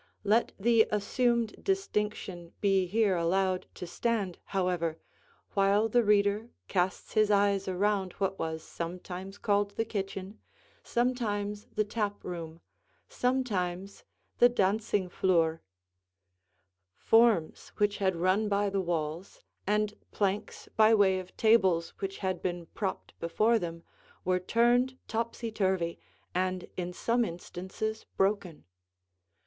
Let the assumed distinction be here allowed to stand, however, while the reader casts his eyes around what was sometimes called the kitchen, sometimes the tap room, sometimes the "dancing flure." Forms which had run by the walls, and planks by way of tables which had been propped before them, were turned topsy turvy, and in some instances broken.